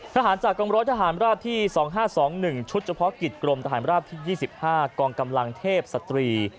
ทหารจากกองร้อยทหารราบที่๒๕๒๑ชุดเฉพาะกิจกรมทหารราบที่๒๕กองกำลังเทพสตรี